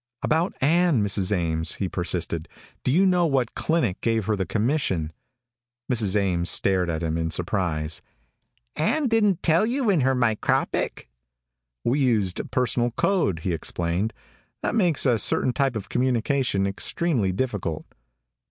"About Ann, Mrs. Ames," he persisted. "Do you know what clinic gave her the commission?" Mrs. Ames stared at him in surprise. "Ann didn't tell you in her micropic?" "We use a personal code," he explained. "That makes a certain type of communication extremely difficult."